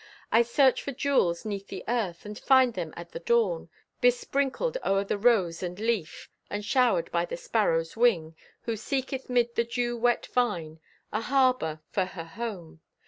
I search for jewels 'neath the earth, And find them at the dawn, Besprinkled o'er the rose and leaf, And showered by the sparrow's wing, Who seeketh 'mid the dew wet vine A harbor for her home.